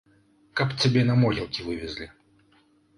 Каб цябе на могілкі вывезлі!